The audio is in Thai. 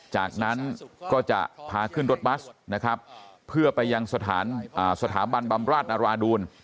จากนั้นก็จะพาขึ้นรถบัสนะครับเพื่อไปยังสถานสถาบันบำราชนาราดูล